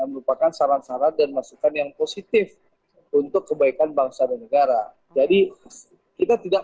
merupakan saran saran dan masukan yang positif untuk kebaikan bangsa dan negara jadi kita tidak